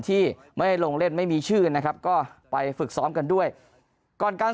ที่ไม่ลงเล่นไม่มีชื่อนะครับก็ไปฝึกซ้อมกันด้วยก่อนการ